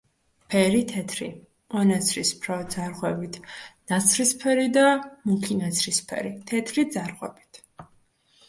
ფერი: თეთრი, მონაცრისფრო ძარღვებით; ნაცრისფერი და მუქი ნაცრისფერი, თეთრი ძარღვებით.